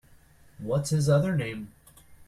What’s his other name?